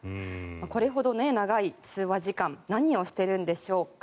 これほど長い通話時間何をしてるんでしょうか。